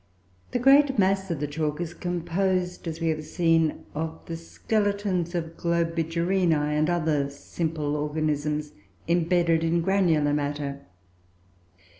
The great mass of the chalk is composed, as we have seen, of the skeletons of Globigerinoe, and other simple organisms, imbedded in granular matter.